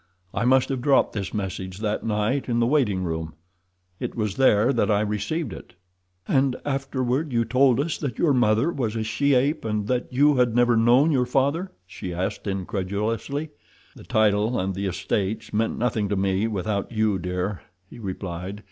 I must have dropped this message that night in the waiting room. It was there that I received it." "And afterward you told us that your mother was a she ape, and that you had never known your father?" she asked incredulously. "The title and the estates meant nothing to me without you, dear," he replied.